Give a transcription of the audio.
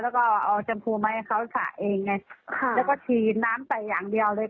แล้วก็เอาชมพูมาให้เขาสระเองไงค่ะแล้วก็ฉีดน้ำใส่อย่างเดียวเลย